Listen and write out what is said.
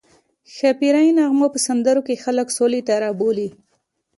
ښاپیرۍ نغمه په سندرو کې خلک سولې ته رابولي